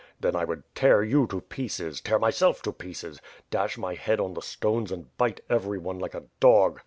"Then I would tear you to pieces; tear myself to pieces; dash my head on the stones and bite everyone like a dog.